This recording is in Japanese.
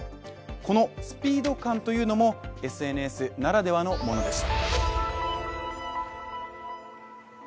このスピード感というのもＳＮＳならではのものでした。